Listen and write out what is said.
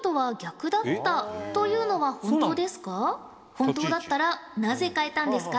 本当だったらなぜ変えたんですか？